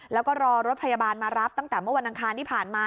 แล้วก็รอรถพยาบาลมารับตั้งแต่เมื่อวันอังคารที่ผ่านมา